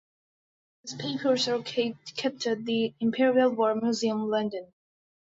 His papers are kept at the Imperial War Museum, London.